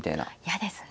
嫌ですね。